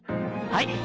はい！